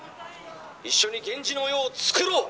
一緒に源氏の世をつくろう！」。